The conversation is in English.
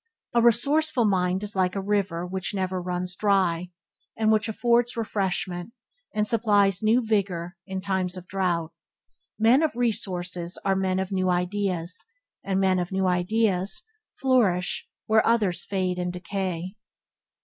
A resourceful mind is like a river which never runs dry, and which affords refreshment, and supplies new vigour, in times of drought. Men of resources are men of new ideas, and men of new ideas flourish where others fade and decay.